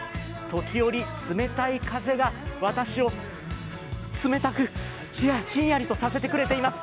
時折、冷たい風が私を冷たくひんやりとさせてくれています。